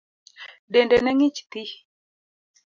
Dende ne ng'ich thii.